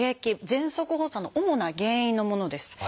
ぜんそく発作の主な原因のものです。